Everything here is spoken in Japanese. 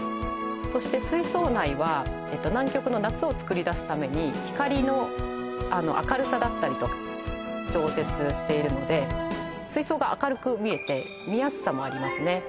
そして水槽内は南極の夏をつくり出すために光の明るさだったりとか調節しているので水槽が明るく見えて見やすさもありますね